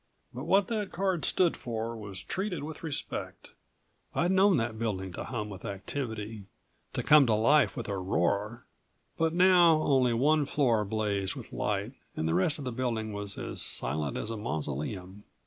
But what that card stood for was treated with respect. I'd known that building to hum with activity, to come to life with a roar. But now only one floor blazed with light and the rest of the building was as silent as a mausoleum.